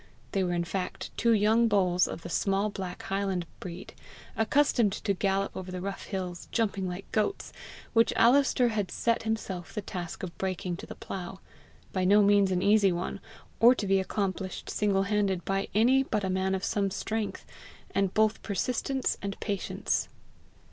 They were in fact two young bulls, of the small black highland breed, accustomed to gallop over the rough hills, jumping like goats, which Alister had set himself the task of breaking to the plough by no means an easy one, or to be accomplished single handed by any but a man of some strength, and both persistence and patience.